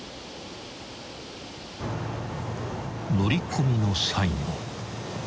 ［乗り込みの際も］